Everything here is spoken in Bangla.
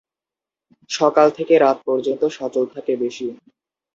সকাল থেকে রাত পর্যন্ত সচল থাকে বেশি।